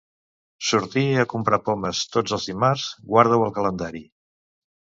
Sortir a comprar pomes tots els dimarts, guarda-ho al calendari.